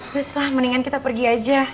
terus lah mendingan kita pergi aja